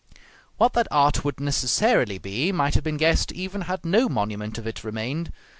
What that art would necessarily be, might have been guessed even had no monument of it remained.